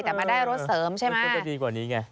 แต่มาได้รถเสริมใช่ไหม